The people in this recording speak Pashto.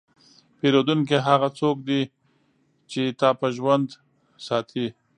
پیرودونکی هغه څوک دی چې تا په ژوند ساتي.